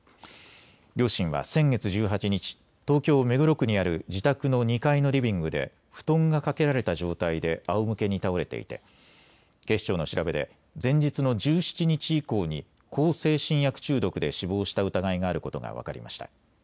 両親は先月１８日、東京目黒区にある自宅の２階のリビングで布団がかけられた状態であおむけに倒れていて警視庁の調べで前日の１７日以降に向精神薬中毒で死亡した疑いがあることが分かりました。